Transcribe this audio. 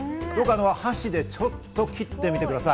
箸でちょっと切ってみてください。